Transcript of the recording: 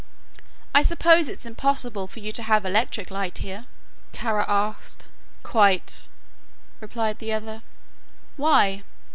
"I suppose it is impossible for you to have electric light here," Kara asked. "Quite," replied the other. "Why?"